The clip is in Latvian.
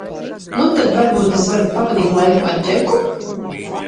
Nu, tad varbūt es varu pavadīt laiku ar Džeku?